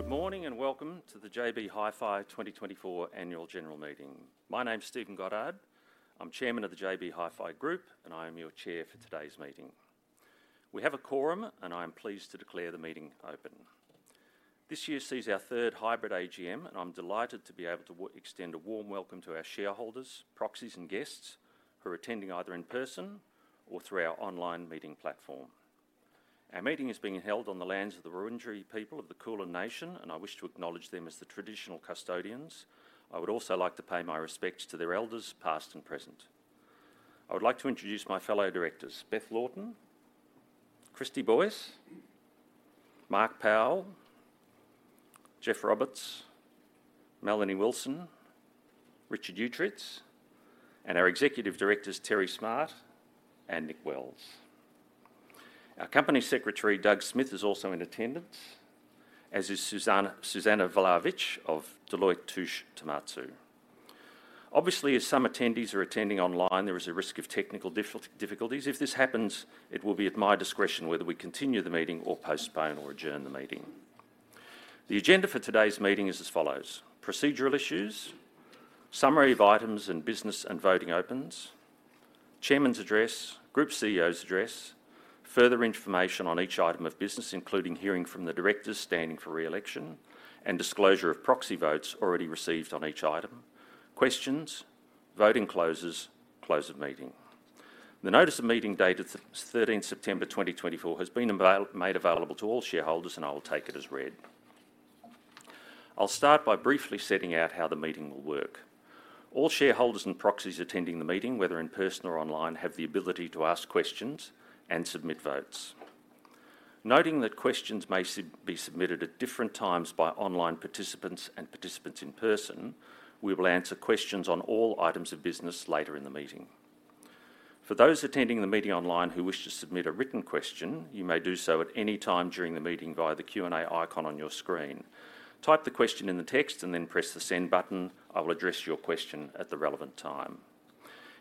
Good morning and welcome to the JB Hi-Fi 2024 Annual General Meeting. My name is Stephen Goddard. I'm Chairman of the JB Hi-Fi Group, and I am your Chair for today's meeting. We have a quorum, and I am pleased to declare the meeting open. This year sees our third hybrid AGM, and I'm delighted to be able to extend a warm welcome to our shareholders, proxies, and guests who are attending either in person or through our online meeting platform. Our meeting is being held on the lands of the Wurundjeri people of the Kulin Nation, and I wish to acknowledge them as the traditional custodians. I would also like to pay my respects to their elders, past and present. I would like to introduce my fellow directors: Beth Laughton, Christy Boyce, Mark Powell, Geoff Roberts, Melanie Wilson, Richard Uechtritz, and our Executive Directors, Terry Smart and Nick Wells. Our Company Secretary, Doug Smith, is also in attendance, as is Suzana Vlahovic of Deloitte Touche Tohmatsu. Obviously, as some attendees are attending online, there is a risk of technical difficulties. If this happens, it will be at my discretion whether we continue the meeting or postpone or adjourn the meeting. The agenda for today's meeting is as follows: procedural issues, summary of items and business, and voting opens, Chairman's address, Group CEO's address, further information on each item of business, including hearing from the directors standing for re-election, and disclosure of proxy votes already received on each item, questions, voting clauses, close of meeting. The notice of meeting dated 13 September 2024 has been made available to all shareholders, and I will take it as read. I'll start by briefly setting out how the meeting will work. All shareholders and proxies attending the meeting, whether in person or online, have the ability to ask questions and submit votes. Noting that questions may be submitted at different times by online participants and participants in person, we will answer questions on all items of business later in the meeting. For those attending the meeting online who wish to submit a written question, you may do so at any time during the meeting via the Q&A icon on your screen. Type the question in the text and then press the send button. I will address your question at the relevant time.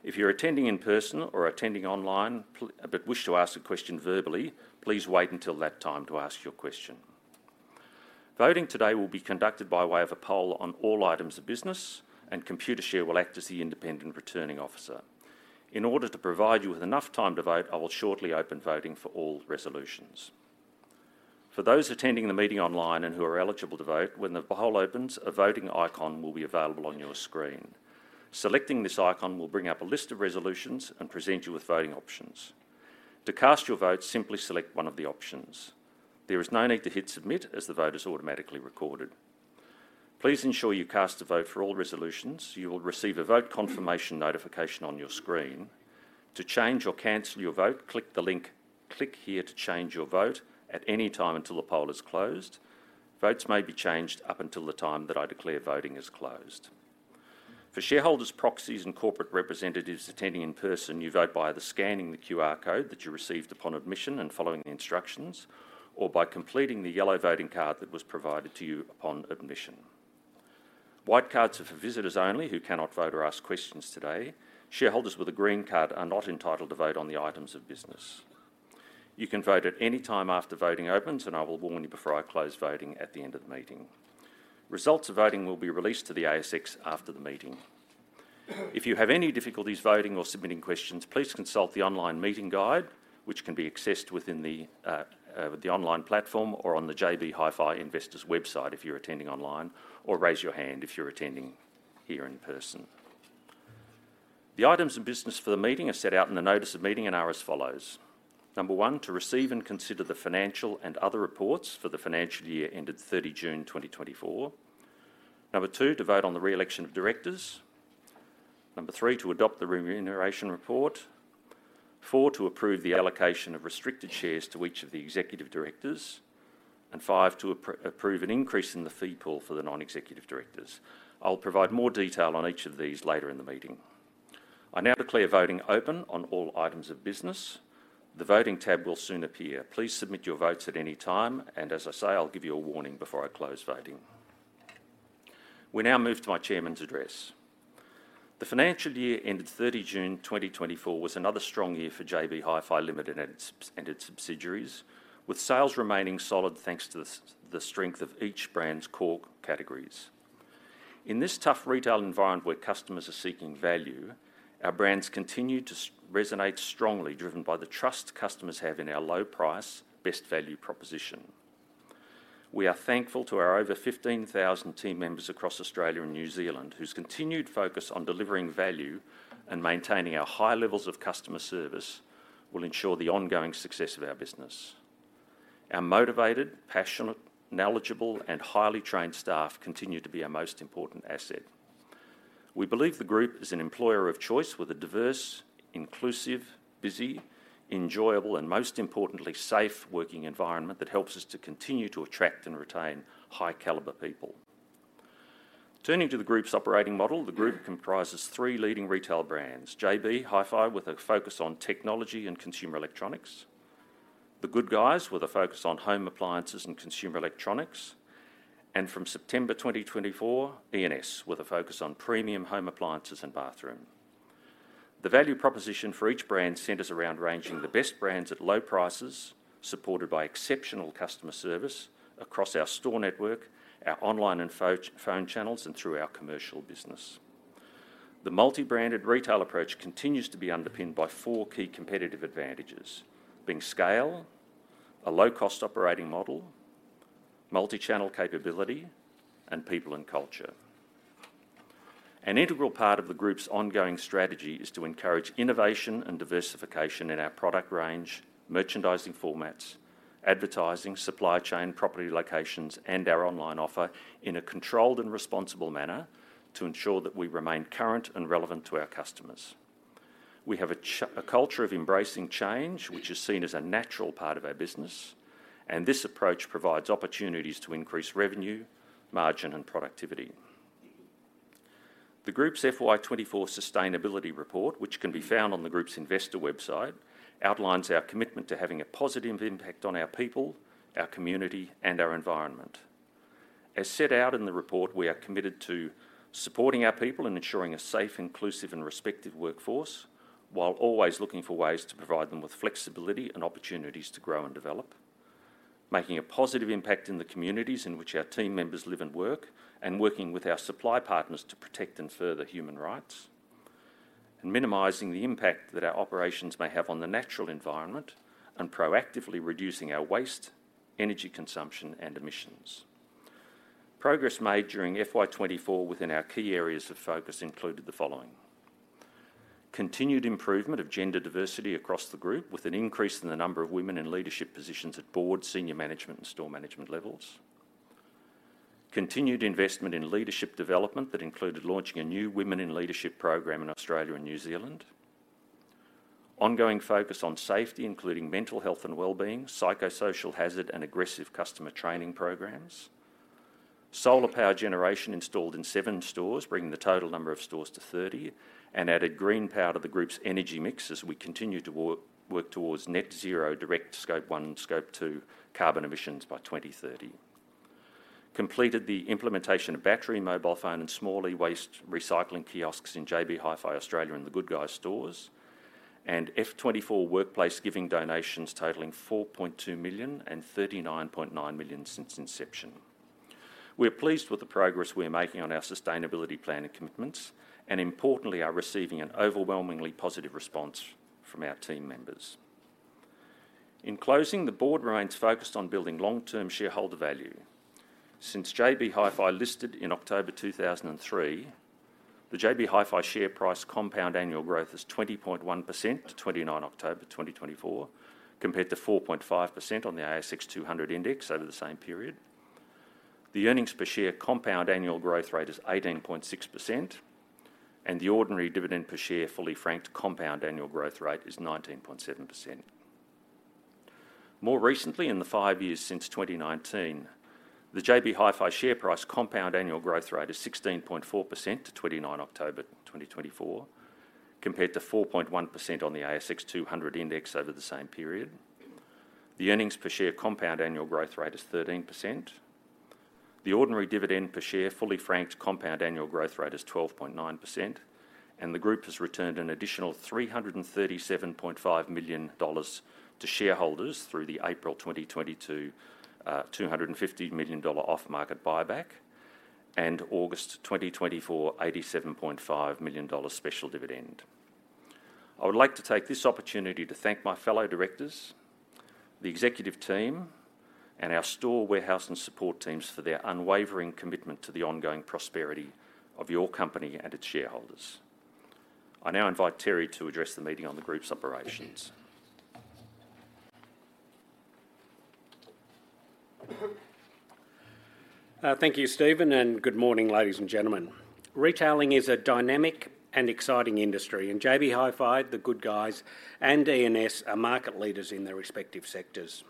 If you're attending in person or attending online but wish to ask a question verbally, please wait until that time to ask your question. Voting today will be conducted by way of a poll on all items of business, and Computershare will act as the independent returning officer. In order to provide you with enough time to vote, I will shortly open voting for all resolutions. For those attending the meeting online and who are eligible to vote, when the poll opens, a voting icon will be available on your screen. Selecting this icon will bring up a list of resolutions and present you with voting options. To cast your vote, simply select one of the options. There is no need to hit submit, as the vote is automatically recorded. Please ensure you cast a vote for all resolutions. You will receive a vote confirmation notification on your screen. To change or cancel your vote, click the link, click here to change your vote at any time until the poll is closed. Votes may be changed up until the time that I declare voting is closed. For shareholders, proxies, and corporate representatives attending in person, you vote by either scanning the QR code that you received upon admission and following the instructions, or by completing the yellow voting card that was provided to you upon admission. White cards are for visitors only who cannot vote or ask questions today. Shareholders with a green card are not entitled to vote on the items of business. You can vote at any time after voting opens, and I will warn you before I close voting at the end of the meeting. Results of voting will be released to the ASX after the meeting. If you have any difficulties voting or submitting questions, please consult the online meeting guide, which can be accessed within the online platform or on the JB Hi-Fi Investors website if you're attending online, or raise your hand if you're attending here in person. The items of business for the meeting are set out in the notice of meeting and are as follows: Number one, to receive and consider the financial and other reports for the financial year ended 30 June 2024. Number two, to vote on the re-election of directors. Number three, to adopt the remuneration report. Four, to approve the allocation of restricted shares to each of the executive directors. And five, to approve an increase in the fee pool for the non-executive directors. I'll provide more detail on each of these later in the meeting. I now declare voting open on all items of business. The voting tab will soon appear. Please submit your votes at any time. And as I say, I'll give you a warning before I close voting. We now move to my Chairman's address. The financial year ended 30 June 2024 was another strong year for JB Hi-Fi Limited and its subsidiaries, with sales remaining solid thanks to the strength of each brand's core categories. In this tough retail environment where customers are seeking value, our brands continue to resonate strongly, driven by the trust customers have in our low-price, best-value proposition. We are thankful to our over 15,000 team members across Australia and New Zealand, whose continued focus on delivering value and maintaining our high levels of customer service will ensure the ongoing success of our business. Our motivated, passionate, knowledgeable, and highly trained staff continue to be our most important asset. We believe the Group is an employer of choice with a diverse, inclusive, busy, enjoyable, and most importantly, safe working environment that helps us to continue to attract and retain high-caliber people. Turning to the Group's operating model, the Group comprises three leading retail brands: JB Hi-Fi with a focus on technology and consumer electronics, The Good Guys with a focus on home appliances and consumer electronics, and from September 2024, E&S with a focus on premium home appliances and bathroom. The value proposition for each brand centers around ranging the best brands at low prices, supported by exceptional customer service across our store network, our online and phone channels, and through our commercial business. The multi-branded retail approach continues to be underpinned by four key competitive advantages, being scale, a low-cost operating model, multi-channel capability, and people and culture. An integral part of the Group's ongoing strategy is to encourage innovation and diversification in our product range, merchandising formats, advertising, supply chain, property locations, and our online offer in a controlled and responsible manner to ensure that we remain current and relevant to our customers. We have a culture of embracing change, which is seen as a natural part of our business, and this approach provides opportunities to increase revenue, margin, and productivity. The Group's FY 2024 Sustainability Report, which can be found on the Group's investor website, outlines our commitment to having a positive impact on our people, our community, and our environment. As set out in the report, we are committed to supporting our people and ensuring a safe, inclusive, and respectful workforce while always looking for ways to provide them with flexibility and opportunities to grow and develop, making a positive impact in the communities in which our team members live and work, and working with our supply partners to protect and further human rights, and minimizing the impact that our operations may have on the natural environment and proactively reducing our waste, energy consumption, and emissions. Progress made during FY 2024 within our key areas of focus included the following: continued improvement of gender diversity across the Group with an increase in the number of women in leadership positions at board, senior management, and store management levels, continued investment in leadership development that included launching a new women in leadership program in Australia and New Zealand, ongoing focus on safety, including mental health and well-being, psychosocial hazard, and aggressive customer training programs, solar power generation installed in seven stores, bringing the total number of stores to 30, and added green power to the Group's energy mix as we continue to work towards net zero direct Scope 1, Scope 2 carbon emissions by 2030, completed the implementation of battery, mobile phone, and small e-waste recycling kiosks in JB Hi-Fi Australia and The Good Guys stores, and FY 2024 workplace giving donations totaling 4.2 million and 39.9 million since inception. We're pleased with the progress we're making on our sustainability plan and commitments, and importantly, are receiving an overwhelmingly positive response from our team members. In closing, the Board remains focused on building long-term shareholder value. Since JB Hi-Fi listed in October 2003, the JB Hi-Fi share price compound annual growth is 20.1% to 29 October 2024, compared to 4.5% on the ASX 200 index over the same period. The earnings per share compound annual growth rate is 18.6%, and the ordinary dividend per share fully franked compound annual growth rate is 19.7%. More recently, in the five years since 2019, the JB Hi-Fi share price compound annual growth rate is 16.4% to 29 October 2024, compared to 4.1% on the ASX 200 index over the same period. The earnings per share compound annual growth rate is 13%. The ordinary dividend per share fully franked compound annual growth rate is 12.9%, and the Group has returned an additional 337.5 million dollars to shareholders through the April 2022 250 million dollar off-market buyback and August 2024 87.5 million dollars special dividend. I would like to take this opportunity to thank my fellow directors, the executive team, and our store, warehouse, and support teams for their unwavering commitment to the ongoing prosperity of your company and its shareholders. I now invite Terry to address the meeting on the Group's operations. Thank you, Stephen, and good morning, ladies and gentlemen. Retailing is a dynamic and exciting industry, and JB Hi-Fi, The Good Guys, and E&S are market leaders in their respective sectors.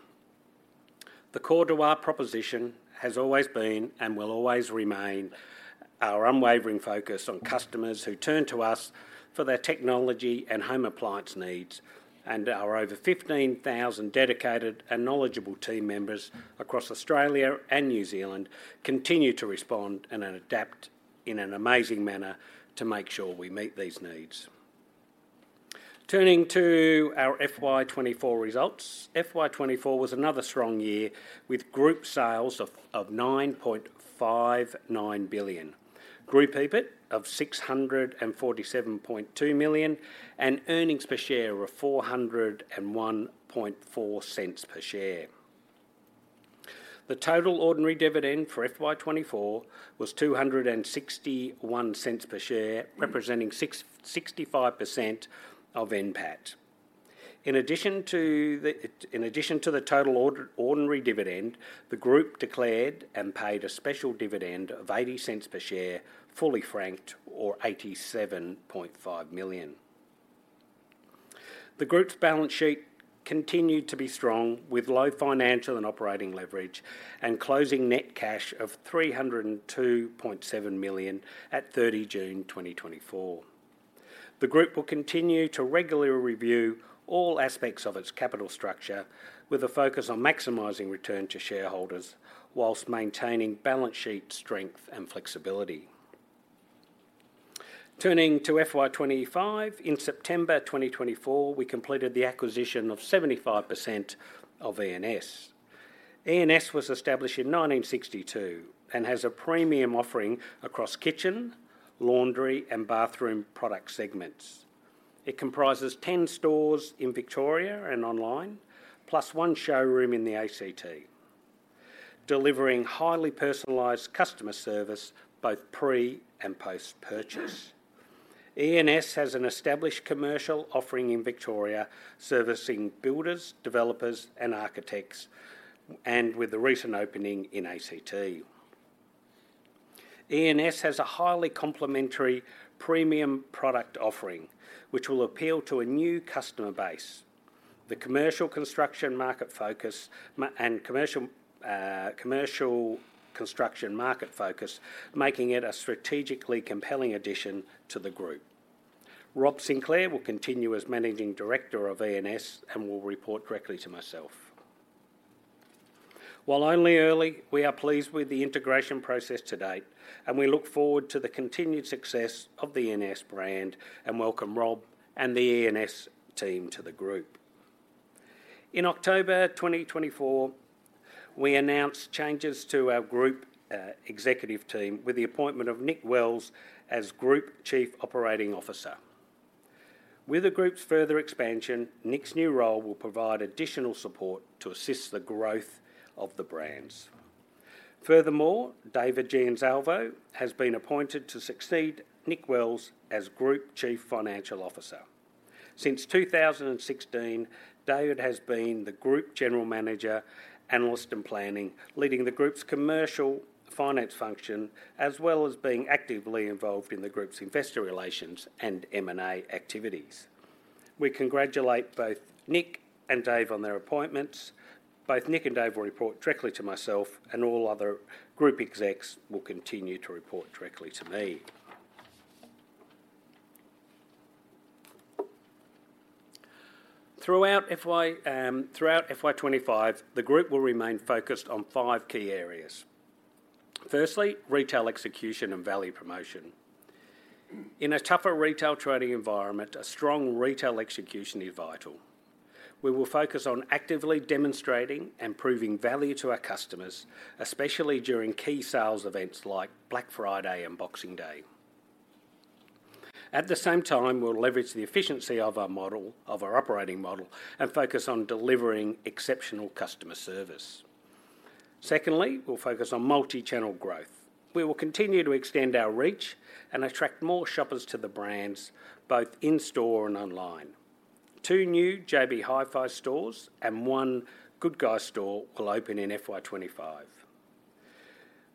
The core to our proposition has always been and will always remain our unwavering focus on customers who turn to us for their technology and home appliance needs, and our over 15,000 dedicated and knowledgeable team members across Australia and New Zealand continue to respond and adapt in an amazing manner to make sure we meet these needs. Turning to our FY 2024 results, FY 2024 was another strong year with Group sales of 9.59 billion, Group EBIT of 647.2 million, and earnings per share of 4.014 per share. The total ordinary dividend for FY 2024 was 2.61 per share, representing 65% of NPAT. In addition to the total ordinary dividend, the Group declared and paid a special dividend of 0.80 per share, fully franked, or 87.5 million. The Group's balance sheet continued to be strong with low financial and operating leverage and closing net cash of 302.7 million at 30 June 2024. The Group will continue to regularly review all aspects of its capital structure with a focus on maximizing return to shareholders whilst maintaining balance sheet strength and flexibility. Turning to FY 2025, in September 2024, we completed the acquisition of 75% of E&S. E&S was established in 1962 and has a premium offering across kitchen, laundry, and bathroom product segments. It comprises 10 stores in Victoria and online, plus one showroom in the ACT, delivering highly personalized customer service both pre and post-purchase. E&S has an established commercial offering in Victoria, servicing builders, developers, and architects, and with a recent opening in ACT. E&S has a highly complementary premium product offering, which will appeal to a new customer base, the commercial construction market focus, making it a strategically compelling addition to the Group. Rob Sinclair will continue as Managing Director of E&S and will report directly to myself. While only early, we are pleased with the integration process to date, and we look forward to the continued success of the E&S brand and welcome Rob and the E&S team to the Group. In October 2024, we announced changes to our Group executive team with the appointment of Nick Wells as Group Chief Operating Officer. With the Group's further expansion, Nick's new role will provide additional support to assist the growth of the brands. Furthermore, David Giansalvo has been appointed to succeed Nick Wells as Group Chief Financial Officer. Since 2016, David has been the Group General Manager, Analytics, and Planning, leading the Group's commercial finance function, as well as being actively involved in the Group's investor relations and M&A activities. We congratulate both Nick and Dave on their appointments. Both Nick and Dave will report directly to myself, and all other Group execs will continue to report directly to me. Throughout FY 2025, the Group will remain focused on five key areas. Firstly, retail execution and value promotion. In a tougher retail trading environment, a strong retail execution is vital. We will focus on actively demonstrating and proving value to our customers, especially during key sales events like Black Friday and Boxing Day. At the same time, we'll leverage the efficiency of our operating model and focus on delivering exceptional customer service. Secondly, we'll focus on multi-channel growth. We will continue to extend our reach and attract more shoppers to the brands, both in store and online. Two new JB Hi-Fi stores and one Good Guys store will open in FY25.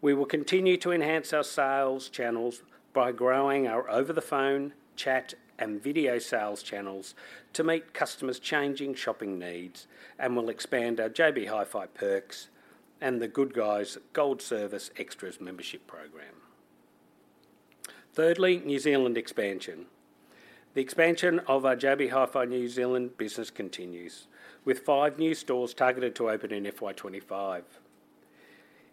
We will continue to enhance our sales channels by growing our over-the-phone, chat, and video sales channels to meet customers' changing shopping needs, and we'll expand our JB Hi-Fi Perks and The Good Guys' Gold Service Extras membership program. Thirdly, New Zealand expansion. The expansion of our JB Hi-Fi New Zealand business continues, with five new stores targeted to open in FY 2025.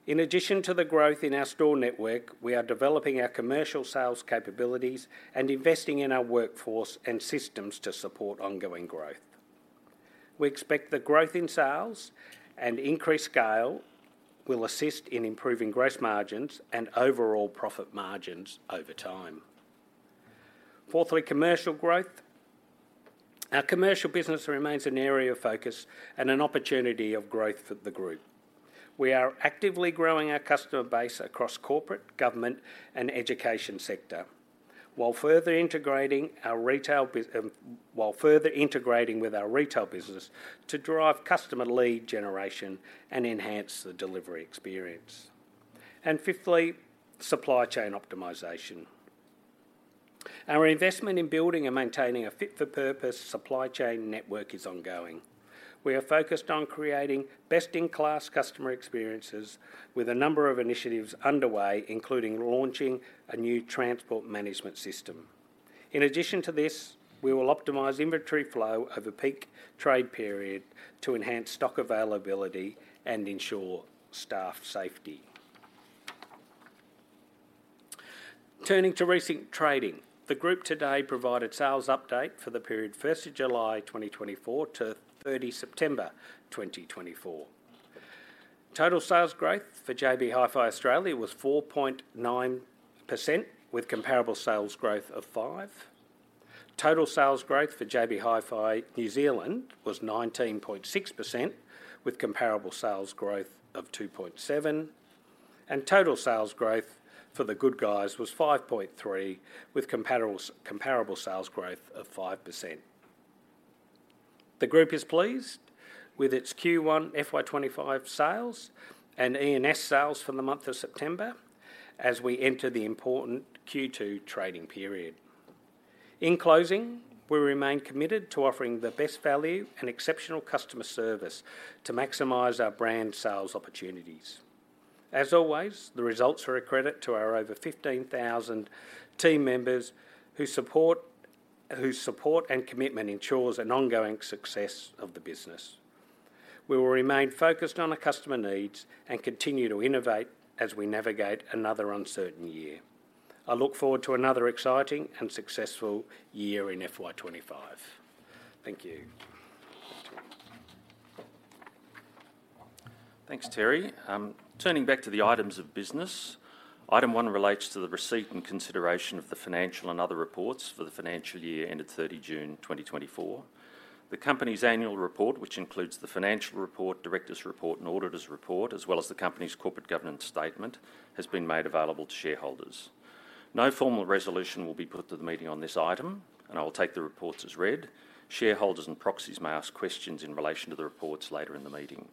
In addition to the growth in our store network, we are developing our commercial sales capabilities and investing in our workforce and systems to support ongoing growth. We expect the growth in sales and increased scale will assist in improving gross margins and overall profit margins over time. Fourthly, commercial growth. Our commercial business remains an area of focus and an opportunity of growth for the Group. We are actively growing our customer base across corporate, government, and education sector while further integrating with our retail business to drive customer lead generation and enhance the delivery experience. And fifthly, supply chain optimization. Our investment in building and maintaining a fit-for-purpose supply chain network is ongoing. We are focused on creating best-in-class customer experiences with a number of initiatives underway, including launching a new transport management system. In addition to this, we will optimize inventory flow over peak trade period to enhance stock availability and ensure staff safety. Turning to recent trading, the Group today provided sales update for the period 1st July 2024 to 30 September 2024. Total sales growth for JB Hi-Fi Australia was 4.9%, with comparable sales growth of 5%. Total sales growth for JB Hi-Fi New Zealand was 19.6%, with comparable sales growth of 2.7%. And total sales growth for The Good Guys was 5.3%, with comparable sales growth of 5%. The Group is pleased with its Q1 FY 2025 sales and E&S sales for the month of September as we enter the important Q2 trading period. In closing, we remain committed to offering the best value and exceptional customer service to maximize our brand sales opportunities. As always, the results are a credit to our over 15,000 team members whose support and commitment ensures an ongoing success of the business. We will remain focused on our customer needs and continue to innovate as we navigate another uncertain year. I look forward to another exciting and successful year in FY 2025. Thank you. Thanks, Terry. Turning back to the items of business, item one relates to the receipt and consideration of the financial and other reports for the financial year ended 30 June 2024. The company's annual report, which includes the financial report, director's report, and auditor's report, as well as the company's corporate governance statement, has been made available to shareholders. No formal resolution will be put to the meeting on this item, and I will take the reports as read. Shareholders and proxies may ask questions in relation to the reports later in the meeting.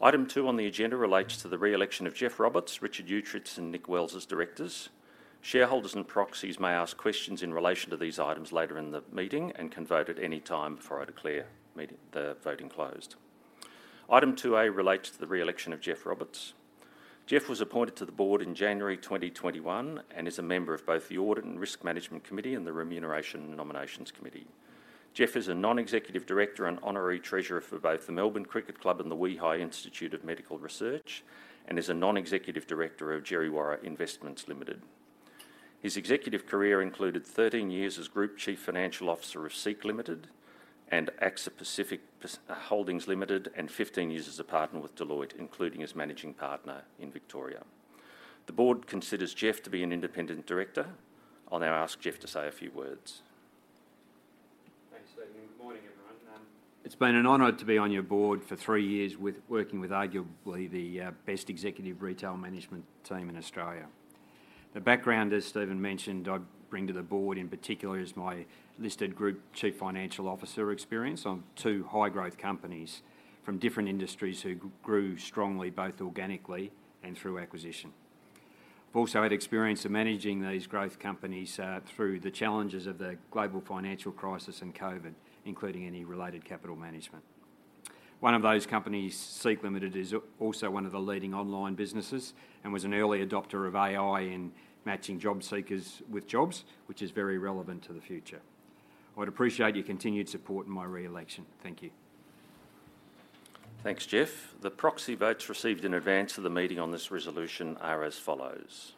Item two on the agenda relates to the re-election of Geoff Roberts, Richard Uechtritz, and Nick Wells as directors. Shareholders and proxies may ask questions in relation to these items later in the meeting and can vote at any time before I declare the voting closed. Item two A relates to the re-election of Geoff Roberts. Geoff was appointed to the Board in January 2021 and is a member of both the Audit and Risk Management Committee and the Remuneration and Nominations Committee. Geoff is a non-executive director and honorary treasurer for both the Melbourne Cricket Club and the Walter and Eliza Hall Institute of Medical Research and is a non-executive director of Djerriwarrh Investments Limited. His executive career included 13 years as Group Chief Financial Officer of SEEK Limited and AXA Asia Pacific Holdings Limited, and 15 years as a partner with Deloitte, including as managing partner in Victoria. The Board considers Geoff to be an independent director. I'll now ask Geoff to say a few words. Thanks, Stephen. Good morning, everyone. It's been an honor to be on your board for three years working with arguably the best executive retail management team in Australia. The background, as Stephen mentioned, I bring to the Board in particular is my listed Group Chief Financial Officer experience on two high-growth companies from different industries who grew strongly both organically and through acquisition. I've also had experience of managing these growth companies through the challenges of the global financial crisis and COVID, including any related capital management. One of those companies, SEEK Limited, is also one of the leading online businesses and was an early adopter of AI in matching job seekers with jobs, which is very relevant to the future. I would appreciate your continued support in my re-election. Thank you. Thanks, Geoff. The proxy votes received in advance of the meeting on this resolution are as follows.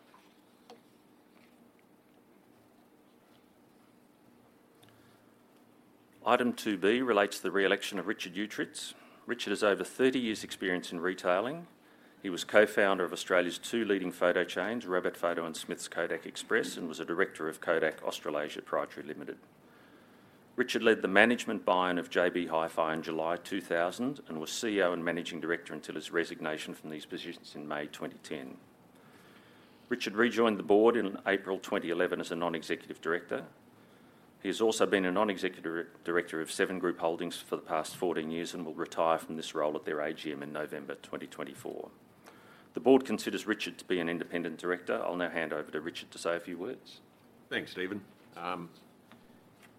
Item two B relates to the re-election of Richard Uechtritz. Richard has over 30 years' experience in retailing. He was co-founder of Australia's two leading photo chains, Rabbit Photo and Smiths Kodak Express, and was a director of Kodak (Australasia) Pty Ltd. Richard led the management buy-in of JB Hi-Fi in July 2000 and was CEO and Managing Director until his resignation from these positions in May 2010. Richard rejoined the Board in April 2011 as a Non-Executive Director. He has also been a Non-Executive Director of Seven Group Holdings for the past 14 years and will retire from this role at their AGM in November 2024. The Board considers Richard to be an independent director. I'll now hand over to Richard to say a few words. Thanks, Stephen.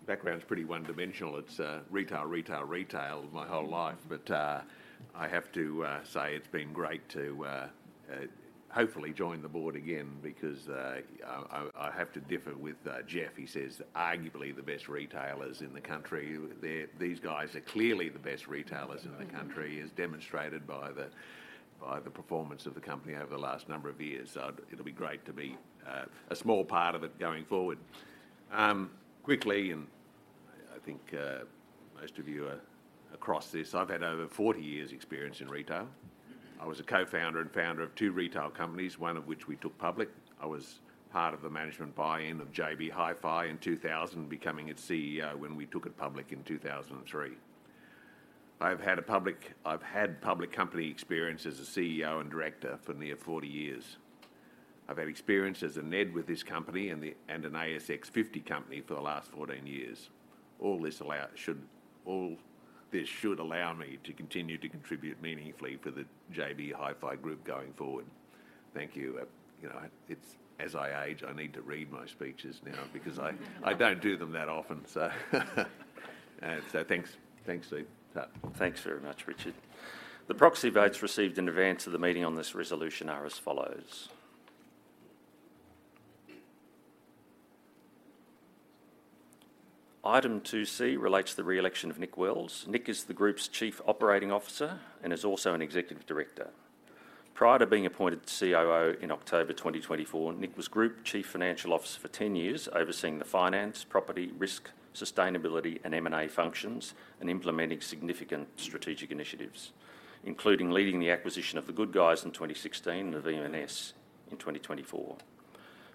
Background's pretty one-dimensional. It's retail, retail, retail my whole life. But I have to say it's been great to hopefully join the Board again because I have to differ with Geoff. He says, "Arguably the best retailers in the country." These guys are clearly the best retailers in the country, as demonstrated by the performance of the company over the last number of years. So it'll be great to be a small part of it going forward. Quickly, and I think most of you are across this, I've had over 40 years' experience in retail. I was a co-founder and founder of two retail companies, one of which we took public. I was part of the management buy-in of JB Hi-Fi in 2000, becoming its CEO when we took it public in 2003. I've had public company experience as a CEO and director for near 40 years. I've had experience as a NED with this company and an ASX 50 company for the last 14 years. All this should allow me to continue to contribute meaningfully for the JB Hi-Fi Group going forward. Thank you. As I age, I need to read my speeches now because I don't do them that often. So thanks, Steve. Thanks very much, Richard. The proxy votes received in advance of the meeting on this resolution are as follows. Item two C relates to the re-election of Nick Wells. Nick is the Group's Chief Operating Officer and is also an executive director. Prior to being appointed COO in October 2024, Nick was Group Chief Financial Officer for 10 years, overseeing the finance, property, risk, sustainability, and M&A functions and implementing significant strategic initiatives, including leading the acquisition of The Good Guys in 2016 and of E&S in 2024.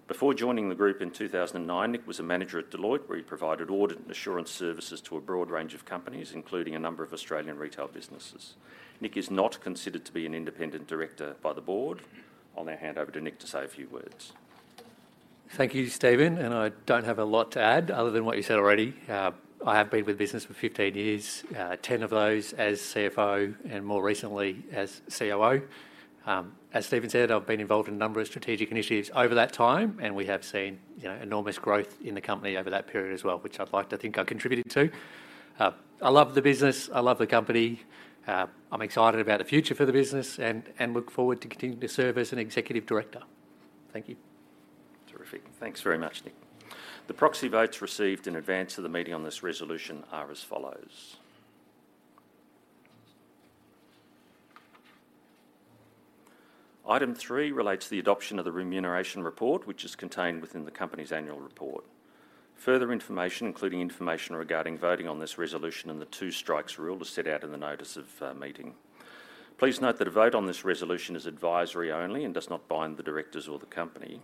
Before joining the Group in 2009, Nick was a manager at Deloitte, where he provided audit and assurance services to a broad range of companies, including a number of Australian retail businesses. Nick is not considered to be an independent director by the Board. I'll now hand over to Nick to say a few words. Thank you, Stephen, and I don't have a lot to add other than what you said already. I have been with business for 15 years, 10 of those as CFO and more recently as COO. As Stephen said, I've been involved in a number of strategic initiatives over that time, and we have seen enormous growth in the company over that period as well, which I'd like to think I contributed to. I love the business. I love the company. I'm excited about the future for the business and look forward to continuing to serve as an executive director. Thank you. Terrific. Thanks very much, Nick. The proxy votes received in advance of the meeting on this resolution are as follows. Item three relates to the adoption of the remuneration report, which is contained within the company's annual report. Further information, including information regarding voting on this resolution and the Two Strikes Rule, is set out in the notice of meeting. Please note that a vote on this resolution is advisory only and does not bind the directors or the company.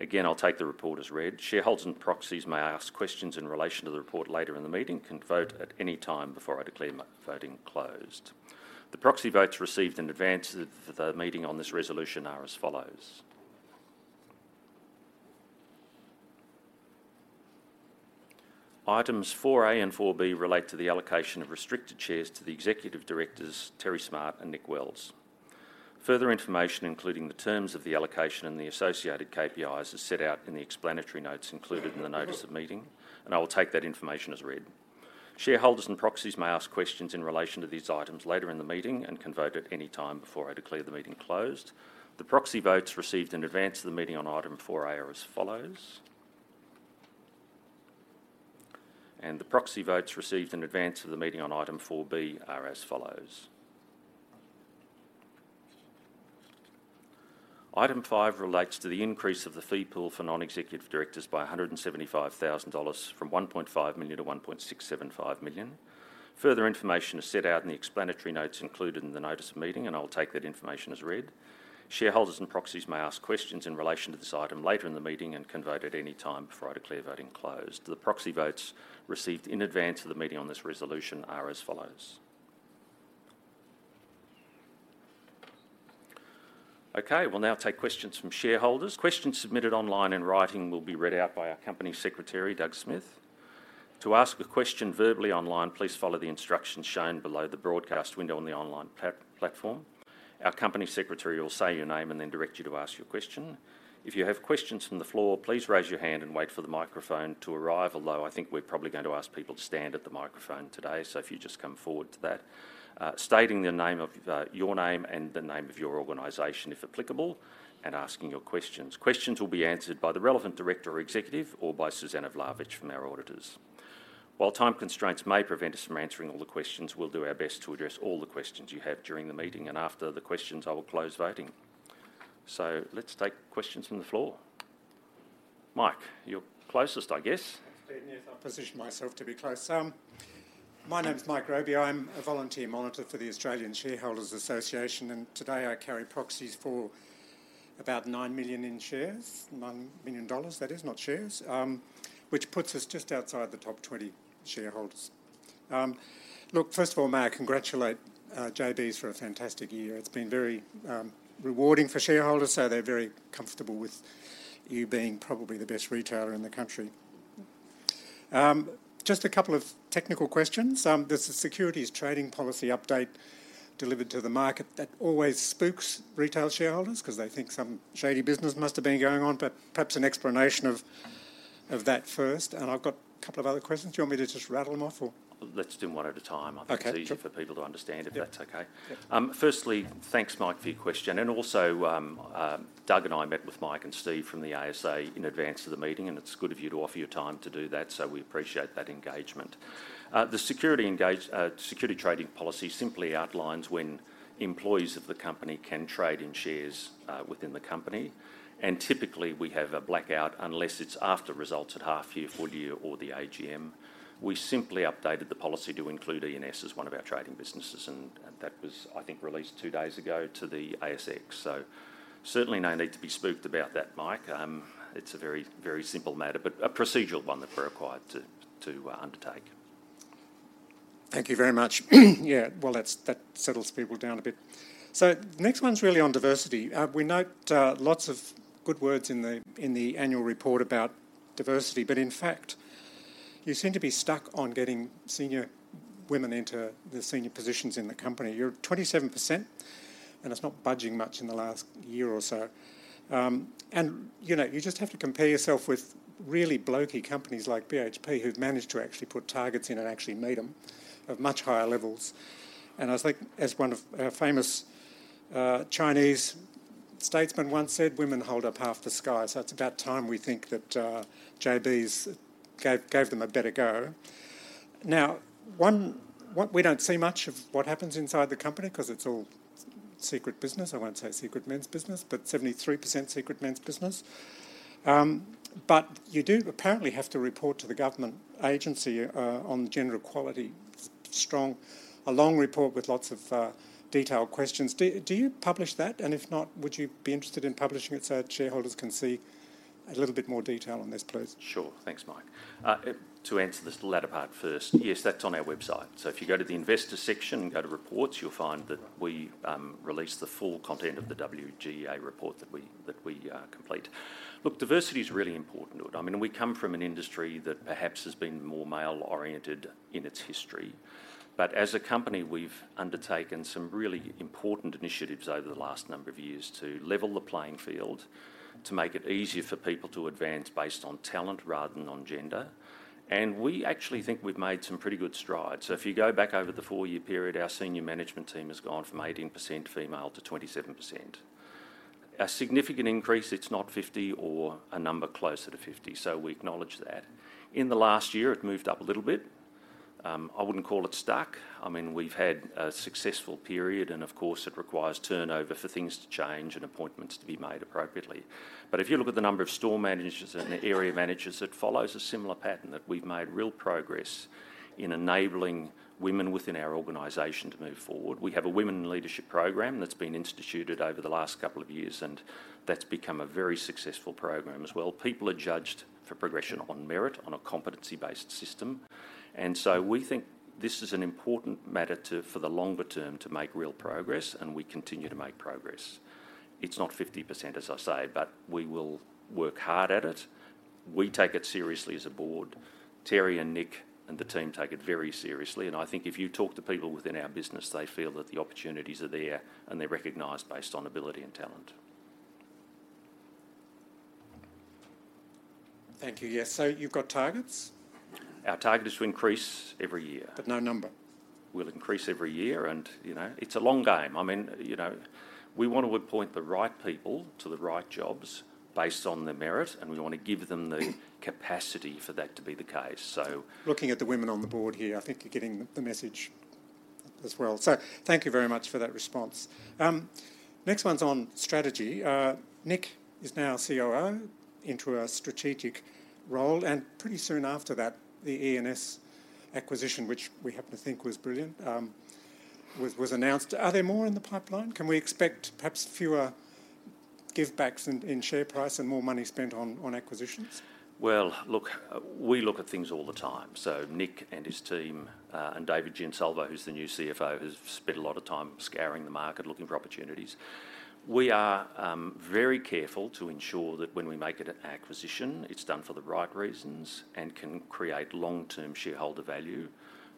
Again, I'll take the report as read. Shareholders and proxies may ask questions in relation to the report later in the meeting and can vote at any time before I declare voting closed. The proxy votes received in advance of the meeting on this resolution are as follows. Items four A and four B relate to the allocation of restricted shares to the executive directors, Terry Smart and Nick Wells. Further information, including the terms of the allocation and the associated KPIs, is set out in the explanatory notes included in the notice of meeting, and I will take that information as read. Shareholders and proxies may ask questions in relation to these items later in the meeting and can vote at any time before I declare the meeting closed. The proxy votes received in advance of the meeting on item four A are as follows. And the proxy votes received in advance of the meeting on item four B are as follows. Item five relates to the increase of the fee pool for non-executive directors by 175,000 dollars from 1.5 million to 1.675 million. Further information is set out in the explanatory notes included in the notice of meeting, and I'll take that information as read. Shareholders and proxies may ask questions in relation to this item later in the meeting and can vote at any time before I declare voting closed. The proxy votes received in advance of the meeting on this resolution are as follows. Okay. We'll now take questions from shareholders. Questions submitted online and in writing will be read out by our Company Secretary, Doug Smith. To ask a question verbally online, please follow the instructions shown below the broadcast window on the online platform. Our Company Secretary will say your name and then direct you to ask your question. If you have questions from the floor, please raise your hand and wait for the microphone to arrive, although I think we're probably going to ask people to stand at the microphone today, so if you just come forward to that, stating your name and the name of your organization, if applicable, and asking your questions. Questions will be answered by the relevant director or executive or by Susanna Vlahovic from our auditors. While time constraints may prevent us from answering all the questions, we'll do our best to address all the questions you have during the meeting, and after the questions, I will close voting, so let's take questions from the floor. Mike, you're closest, I guess. Thanks, Stephen. Yes, I've positioned myself to be close. My name's Mike Robey. I'm a volunteer monitor for the Australian Shareholders' Association. Today I carry proxies for about 9 million in shares, 9 million dollars that is, not shares, which puts us just outside the top 20 shareholders. Look, first of all, may I congratulate JB's for a fantastic year. It's been very rewarding for shareholders, so they're very comfortable with you being probably the best retailer in the country. Just a couple of technical questions. There's a securities trading policy update delivered to the market that always spooks retail shareholders because they think some shady business must have been going on. But perhaps an explanation of that first. And I've got a couple of other questions. Do you want me to just rattle them off or? Let's do them one at a time. I think it's easier for people to understand if that's okay. Firstly, thanks, Mike, for your question. And also, Doug and I met with Mike and Steve from the ASA in advance of the meeting, and it's good of you to offer your time to do that. So we appreciate that engagement. The security trading policy simply outlines when employees of the company can trade in shares within the company. And typically, we have a blackout unless it's after results at half year, full year, or the AGM. We simply updated the policy to include E&S as one of our trading businesses. And that was, I think, released two days ago to the ASX. So certainly no need to be spooked about that, Mike. It's a very, very simple matter, but a procedural one that we're required to undertake. Thank you very much. Yeah. Well, that settles people down a bit. So the next one's really on diversity. We note lots of good words in the annual report about diversity. But in fact, you seem to be stuck on getting senior women into the senior positions in the company. You're at 27%, and it's not budging much in the last year or so. And you just have to compare yourself with really blokey companies like BHP who've managed to actually put targets in and actually meet them of much higher levels. And as one of our famous Chinese statesmen once said, "Women hold up half the sky." So it's about time we think that JB's gave them a better go. Now, we don't see much of what happens inside the company because it's all secret business. I won't say secret men's business, but 73% secret men's business. But you do apparently have to report to the government agency on gender equality. It's a long report with lots of detailed questions. Do you publish that? And if not, would you be interested in publishing it so shareholders can see a little bit more detail on this, please? Sure. Thanks, Mike. To answer this latter part first, yes, that's on our website. So if you go to the investor section and go to reports, you'll find that we release the full content of the WGEA report that we complete. Look, diversity is really important. I mean, we come from an industry that perhaps has been more male-oriented in its history. But as a company, we've undertaken some really important initiatives over the last number of years to level the playing field, to make it easier for people to advance based on talent rather than on gender. And we actually think we've made some pretty good strides. So if you go back over the four-year period, our senior management team has gone from 18% female to 27%. A significant increase. It's not 50 or a number closer to 50. So we acknowledge that. In the last year, it moved up a little bit. I wouldn't call it stuck. I mean, we've had a successful period. And of course, it requires turnover for things to change and appointments to be made appropriately. But if you look at the number of store managers and area managers, it follows a similar pattern that we've made real progress in enabling women within our organization to move forward. We have a women in leadership program that's been instituted over the last couple of years, and that's become a very successful program as well. People are judged for progression on merit on a competency-based system. And so we think this is an important matter for the longer term to make real progress, and we continue to make progress. It's not 50%, as I say, but we will work hard at it. We take it seriously as a board. Terry and Nick and the team take it very seriously. And I think if you talk to people within our business, they feel that the opportunities are there and they're recognized based on ability and talent. Thank you. Yeah. So you've got targets? Our target is to increase every year. But no number? We'll increase every year, and it's a long game. I mean, we want to appoint the right people to the right jobs based on their merit, and we want to give them the capacity for that to be the case. So looking at the women on the board here, I think you're getting the message as well. So thank you very much for that response. Next one's on strategy. Nick is now COO into a strategic role. And pretty soon after that, the E&S acquisition, which we happen to think was brilliant, was announced. Are there more in the pipeline? Can we expect perhaps fewer give-backs in share price and more money spent on acquisitions? Well, look, we look at things all the time. So Nick and his team and David Giansalvo, who's the new CFO, have spent a lot of time scouring the market, looking for opportunities. We are very careful to ensure that when we make an acquisition, it's done for the right reasons and can create long-term shareholder value,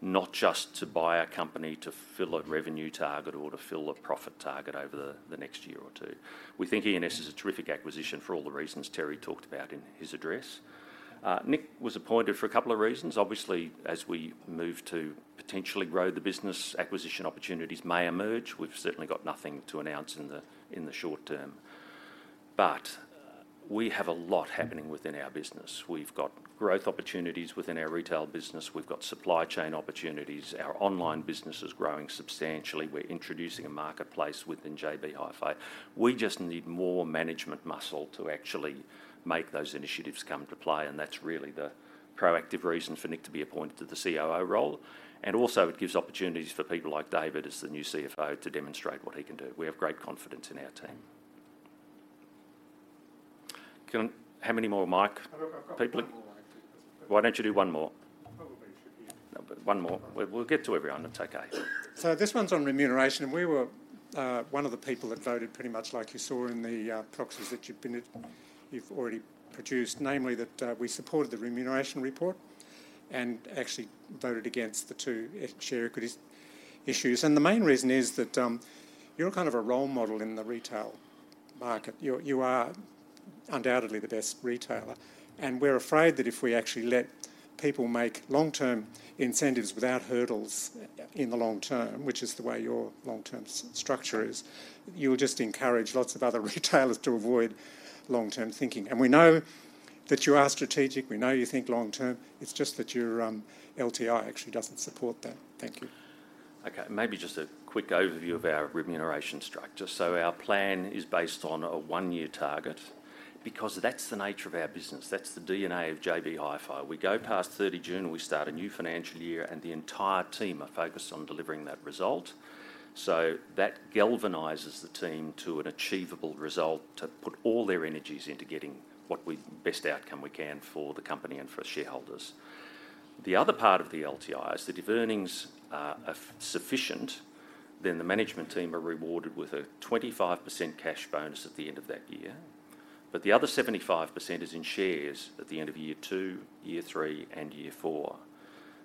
not just to buy a company to fill a revenue target or to fill a profit target over the next year or two. We think E&S is a terrific acquisition for all the reasons Terry talked about in his address. Nick was appointed for a couple of reasons. Obviously, as we move to potentially grow, the business acquisition opportunities may emerge. We've certainly got nothing to announce in the short term. But we have a lot happening within our business. We've got growth opportunities within our retail business. We've got supply chain opportunities. Our online business is growing substantially. We're introducing a marketplace within JB Hi-Fi. We just need more management muscle to actually make those initiatives come to play. And that's really the proactive reason for Nick to be appointed to the COO role. And also, it gives opportunities for people like David, as the new CFO, to demonstrate what he can do. We have great confidence in our team. How many more, Mike? People? Why don't you do one more? Probably should be one more. We'll get to everyone. It's okay. So this one's on remuneration. And we were one of the people that voted pretty much like you saw in the proxies that you've already produced, namely that we supported the remuneration report and actually voted against the two share equity issues. And the main reason is that you're kind of a role model in the retail market. You are undoubtedly the best retailer. And we're afraid that if we actually let people make long-term incentives without hurdles in the long term, which is the way your long-term structure is, you'll just encourage lots of other retailers to avoid long-term thinking. And we know that you are strategic. We know you think long-term. It's just that your LTI actually doesn't support that. Thank you. Okay. Maybe just a quick overview of our remuneration structure. So our plan is based on a one-year target because that's the nature of our business. That's the DNA of JB Hi-Fi. We go past 30 June, we start a new financial year, and the entire team are focused on delivering that result. So that galvanizes the team to an achievable result to put all their energies into getting the best outcome we can for the company and for shareholders. The other part of the LTI is that if earnings are sufficient, then the management team are rewarded with a 25% cash bonus at the end of that year. But the other 75% is in shares at the end of year two, year three, and year four.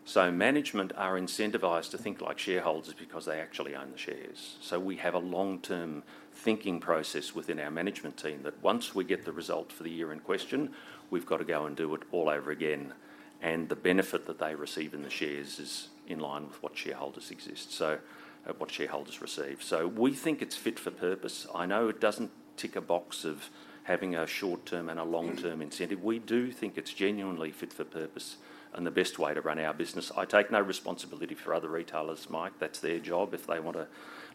So management are incentivized to think like shareholders because they actually own the shares. So we have a long-term thinking process within our management team that once we get the result for the year in question, we've got to go and do it all over again. And the benefit that they receive in the shares is in line with what shareholders receive. So we think it's fit for purpose. I know it doesn't tick a box of having a short-term and a long-term incentive. We do think it's genuinely fit for purpose and the best way to run our business. I take no responsibility for other retailers, Mike. That's their job if they want to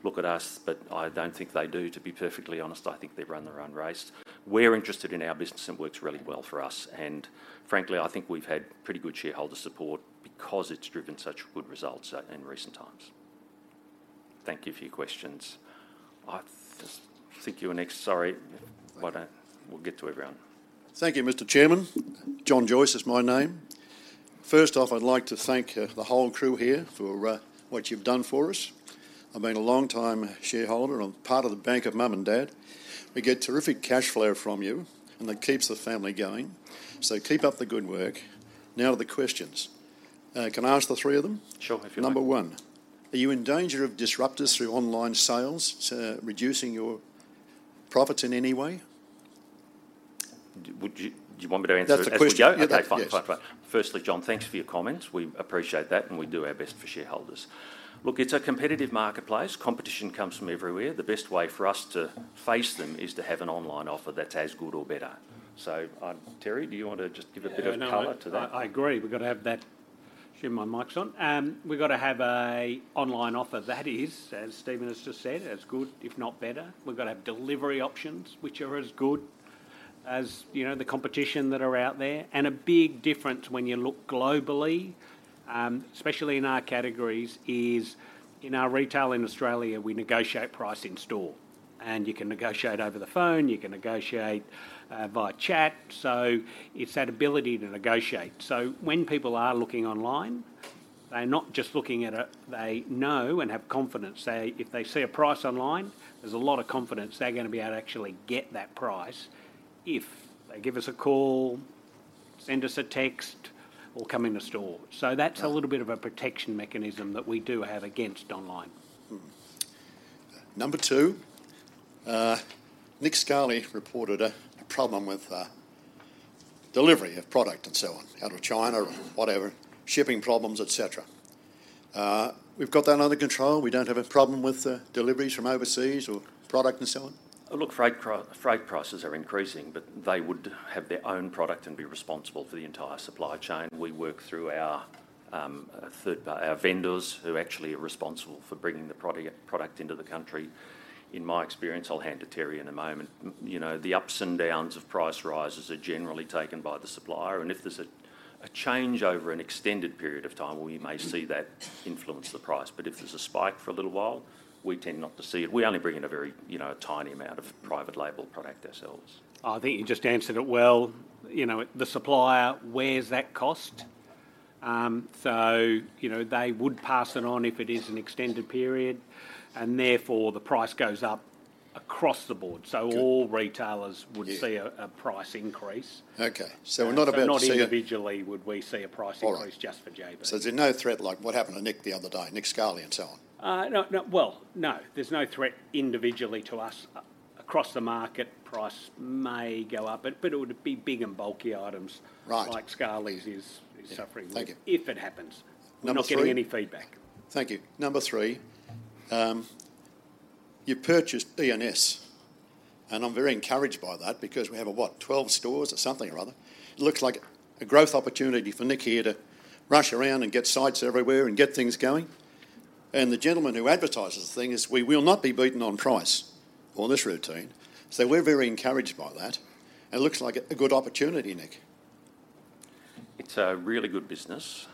look at us. But I don't think they do, to be perfectly honest. I think they run their own race. We're interested in our business, and it works really well for us. And frankly, I think we've had pretty good shareholder support because it's driven such good results in recent times. Thank you for your questions. I think you're next. Sorry. We'll get to everyone. Thank you, Mr. Chairman. John Joyce is my name. First off, I'd like to thank the whole crew here for what you've done for us. I've been a long-time shareholder. I'm part of the bank of Mum and Dad. We get terrific cash flow from you, and that keeps the family going. So keep up the good work. Now to the questions. Can I ask the three of them? Sure. Number one, are you in danger of disruptors through online sales, reducing your profits in any way? Do you want me to answer that question? That's a question. Okay. Fine. Firstly, John, thanks for your comments. We appreciate that, and we do our best for shareholders. Look, it's a competitive marketplace. Competition comes from everywhere. The best way for us to face them is to have an online offer that's as good or better. So Terry, do you want to just give a bit of color to that? I agree. We've got to have that. Share my mics on. We've got to have an online offer that is, as Stephen has just said, as good, if not better. We've got to have delivery options, which are as good as the competition that are out there. A big difference when you look globally, especially in our categories, is in our retail in Australia, we negotiate price in store. You can negotiate over the phone. You can negotiate via chat. So it's that ability to negotiate. So when people are looking online, they're not just looking at it. They know and have confidence. If they see a price online, there's a lot of confidence they're going to be able to actually get that price if they give us a call, send us a text, or come in the store. So that's a little bit of a protection mechanism that we do have against online. Number two, Nick Scali reported a problem with delivery of product and so on, out of China or whatever, shipping problems, etc. We've got that under control. We don't have a problem with deliveries from overseas or product and so on. Look, freight prices are increasing, but they would have their own product and be responsible for the entire supply chain. We work through our vendors, who actually are responsible for bringing the product into the country. In my experience, I'll hand to Terry in a moment. The ups and downs of price rises are generally taken by the supplier, and if there's a change over an extended period of time, we may see that influence the price. But if there's a spike for a little while, we tend not to see it. We only bring in a very tiny amount of private label product ourselves. I think you just answered it well. The supplier wears that cost, so they would pass it on if it is an extended period, and therefore, the price goes up across the board, so all retailers would see a price increase. Okay. We're not about to see it. Not individually, would we see a price increase just for JB? Is it no threat like what happened to Nick the other day, Nick Scali and so on? No. There's no threat individually to us. Across the market, price may go up. It would be big and bulky items like Scali's is suffering with it if it happens. I'm not getting any feedback. Thank you. Number three, you purchased E&S. I'm very encouraged by that because we have what, 12 stores or something or other. It looks like a growth opportunity for Nick here to rush around and get sites everywhere and get things going. The gentleman who advertises the thing is, "We will not be beaten on price on this routine." We're very encouraged by that. It looks like a good opportunity, Nick. It's a really good business.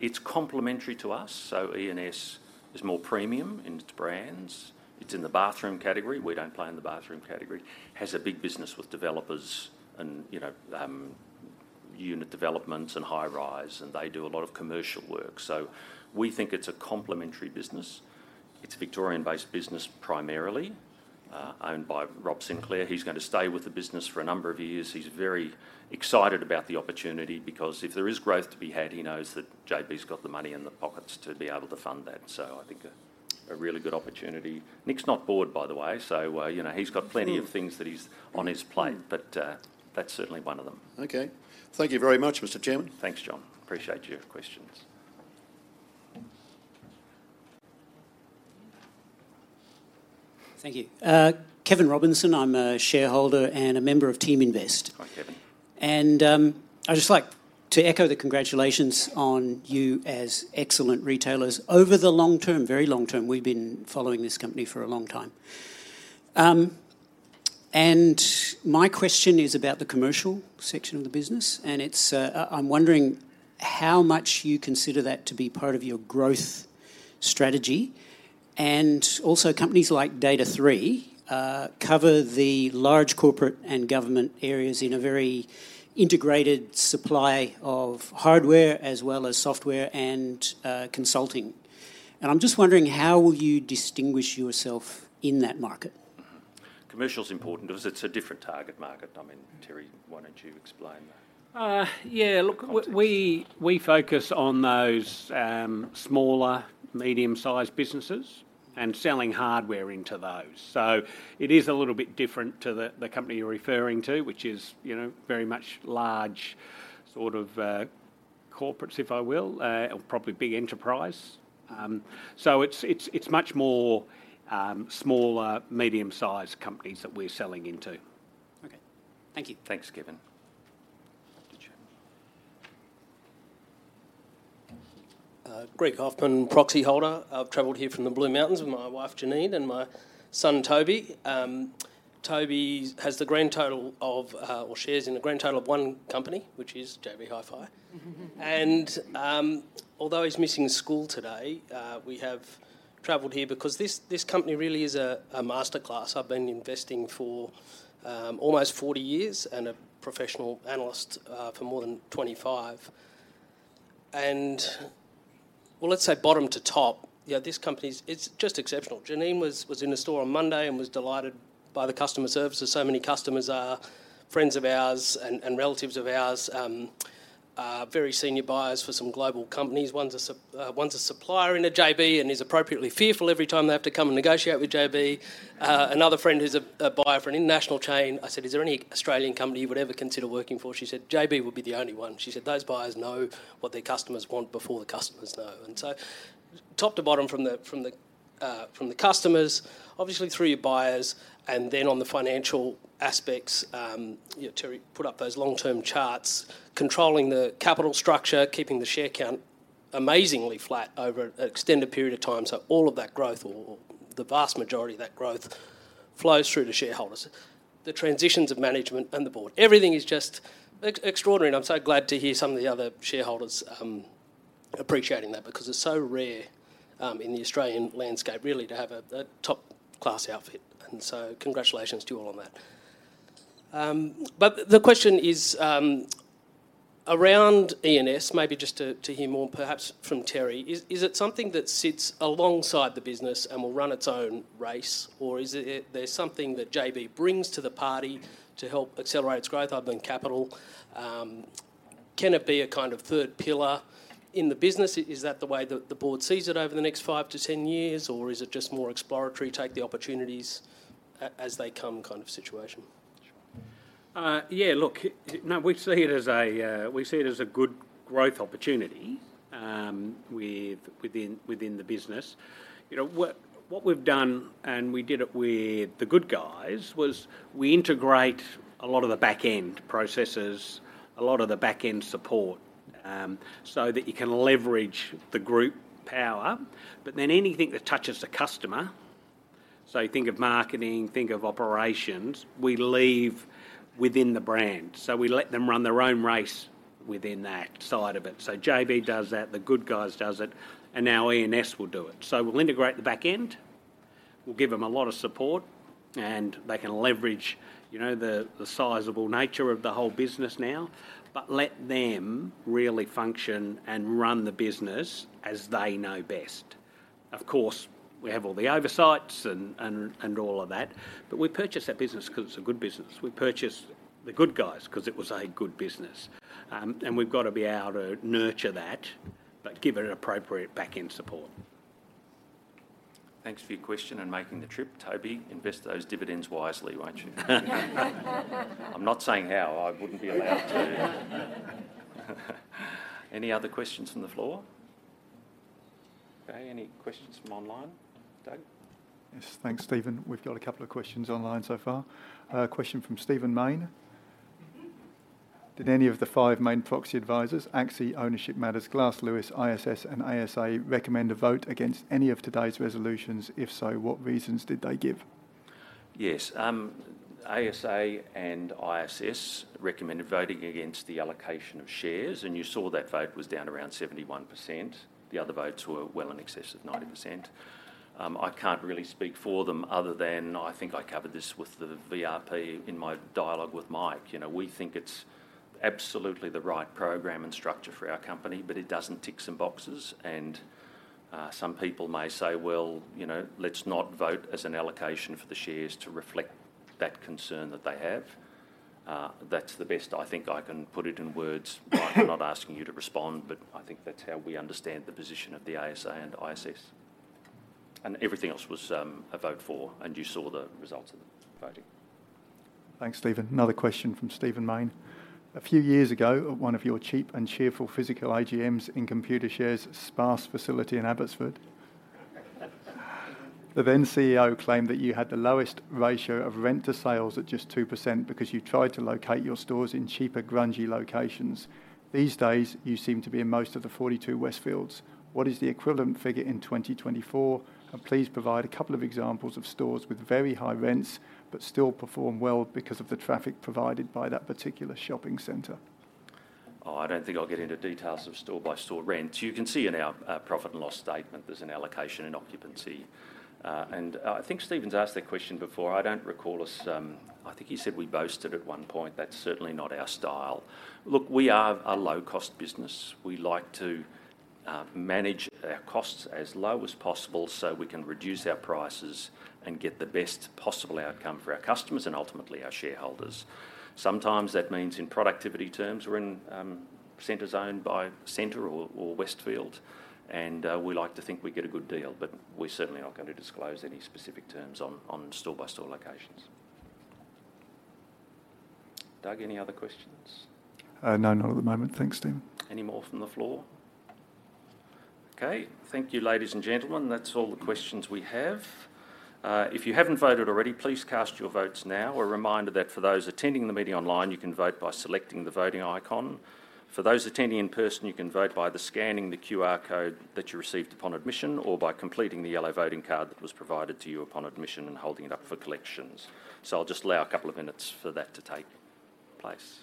It's complementary to us. So E&S is more premium in its brands. It's in the bathroom category. We don't play in the bathroom category. It has a big business with developers and unit developments and high-rise. And they do a lot of commercial work. So we think it's a complementary business. It's a Victorian-based business primarily, owned by Rob Sinclair. He's going to stay with the business for a number of years. He's very excited about the opportunity because if there is growth to be had, he knows that JB's got the money in the pockets to be able to fund that. So I think a really good opportunity. Nick's not bored, by the way. So he's got plenty of things that he's on his plate. But that's certainly one of them. Okay. Thank you very much, Mr. Chairman. Thanks, John. Appreciate your questions. Thank you. Kevin Robinson. I'm a shareholder and a member of Team Invest. Hi, Kevin. And I'd just like to echo the congratulations on you as excellent retailers over the long term, very long term. We've been following this company for a long time. And my question is about the commercial section of the business. And I'm wondering how much you consider that to be part of your growth strategy. And also, companies like Data#3 cover the large corporate and government areas in a very integrated supply of hardware as well as software and consulting. And I'm just wondering how will you distinguish yourself in that market? Commercial's important because it's a different target market. I mean, Terry, why don't you explain that? Yeah. Look, we focus on those smaller, medium-sized businesses and selling hardware into those. So it is a little bit different to the company you're referring to, which is very much large sort of corporates, if you will, or probably big enterprise. So it's much more smaller, medium-sized companies that we're selling into. Okay. Thank you. Thanks, Kevin. Greg Hoffman, proxy holder. I've traveled here from the Blue Mountains with my wife, Janine, and my son, Toby. Toby has the grand total of our shares in the grand total of one company, which is JB Hi-Fi. And although he's missing school today, we have traveled here because this company really is a masterclass. I've been investing for almost 40 years and a professional analyst for more than 25. And well, let's say bottom to top, this company is just exceptional. Janine was in the store on Monday and was delighted by the customer service. So many customers are friends of ours and relatives of ours, very senior buyers for some global companies. One's a supplier in JB and is appropriately fearful every time they have to come and negotiate with JB. Another friend who's a buyer for an international chain. I said, "Is there any Australian company you would ever consider working for?" She said, "JB would be the only one." She said, "Those buyers know what their customers want before the customers know." And so top to bottom from the customers, obviously through your buyers, and then on the financial aspects, Terry put up those long-term charts, controlling the capital structure, keeping the share count amazingly flat over an extended period of time. So all of that growth, or the vast majority of that growth, flows through to shareholders. The transitions of management and the board. Everything is just extraordinary. I'm so glad to hear some of the other shareholders appreciating that because it's so rare in the Australian landscape, really, to have a top-class outfit. Congratulations to you all on that. The question is around E&S, maybe just to hear more perhaps from Terry. Is it something that sits alongside the business and will run its own race? Or is there something that JB brings to the party to help accelerate its growth other than capital? Can it be a kind of third pillar in the business? Is that the way that the board sees it over the next five to 10 years? Or is it just more exploratory, take the opportunities as they come kind of situation? Yeah. Look, we see it as a good growth opportunity within the business. What we've done, and we did it with The Good Guys, was we integrate a lot of the back-end processes, a lot of the back-end support, so that you can leverage the group power. But then anything that touches the customer, so think of marketing, think of operations, we leave within the brand. So we let them run their own race within that side of it. So JB does that. The Good Guys does it. And now E&S will do it. So we'll integrate the back-end. We'll give them a lot of support. And they can leverage the sizable nature of the whole business now, but let them really function and run the business as they know best. Of course, we have all the oversights and all of that. But we purchase that business because it's a good business. We purchase The Good Guys because it was a good business. And we've got to be able to nurture that but give it appropriate back-end support. Thanks for your question and making the trip. Toby, invest those dividends wisely, won't you? I'm not saying how. I wouldn't be allowed to. Any other questions from the floor? Okay. Any questions from online? Doug? Yes. Thanks, Stephen. We've got a couple of questions online so far. Question from Stephen Mayne. Did any of the five main proxy advisors, ACSI, Ownership Matters, Glass Lewis, ISS, and ASA, recommend a vote against any of today's resolutions? If so, what reasons did they give? Yes. ASA and ISS recommended voting against the allocation of shares. And you saw that vote was down around 71%. The other votes were well in excess of 90%. I can't really speak for them other than I think I covered this with the VRP in my dialogue with Mike. We think it's absolutely the right program and structure for our company, but it doesn't tick some boxes, and some people may say, "Well, let's not vote as an allocation for the shares to reflect that concern that they have." That's the best I think I can put it in words. I'm not asking you to respond, but I think that's how we understand the position of the ASA and ISS, and everything else was a vote for, and you saw the results of the voting. Thanks, Stephen. Another question from Stephen Mayne. A few years ago, one of your cheap and cheerful physical stores in Computershare's sparse facility in Abbotsford. The then CEO claimed that you had the lowest ratio of rent to sales at just 2% because you tried to locate your stores in cheaper, grungy locations. These days, you seem to be in most of the 42 Westfields. What is the equivalent figure in 2024? And please provide a couple of examples of stores with very high rents but still perform well because of the traffic provided by that particular shopping center. Oh, I don't think I'll get into details of store-by-store rent. You can see in our profit and loss statement there's an allocation in occupancy. And I think Stephen's asked that question before. I don't recall us. I think he said we boasted at one point. That's certainly not our style. Look, we are a low-cost business. We like to manage our costs as low as possible so we can reduce our prices and get the best possible outcome for our customers and ultimately our shareholders. Sometimes that means in productivity terms we're in centers owned by Scentre or Westfield. And we like to think we get a good deal. But we're certainly not going to disclose any specific terms on store-by-store locations. Doug, any other questions? No, not at the moment. Thanks, Stephen. Any more from the floor? Okay. Thank you, ladies and gentlemen. That's all the questions we have. If you haven't voted already, please cast your votes now. A reminder that for those attending the meeting online, you can vote by selecting the voting icon. For those attending in person, you can vote by scanning the QR code that you received upon admission or by completing the yellow voting card that was provided to you upon admission and holding it up for collections. So I'll just allow a couple of minutes for that to take place.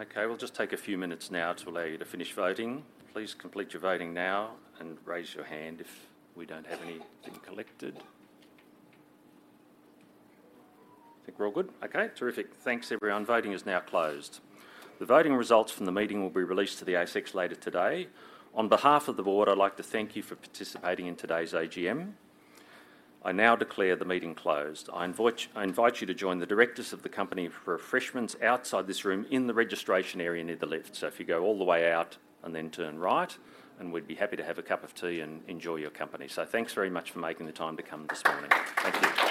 Okay. We'll just take a few minutes now to allow you to finish voting. Please complete your voting now and raise your hand if we don't have anything collected. I think we're all good. Okay. Terrific. Thanks, everyone. Voting is now closed. The voting results from the meeting will be released to the ASX later today. On behalf of the board, I'd like to thank you for participating in today's AGM. I now declare the meeting closed. I invite you to join the directors of the company for refreshments outside this room in the registration area near the left. So if you go all the way out and then turn right, and we'd be happy to have a cup of tea and enjoy your company. So thanks very much for making the time to come this morning. Thank you.